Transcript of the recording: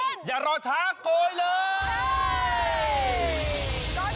โอ้โยะมากนะคะ